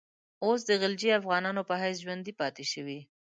اوس د غلجي افغانانو په حیث ژوندی پاته شوی.